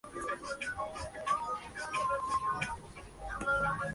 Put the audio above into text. Este polígono tiene un eje helicoidal.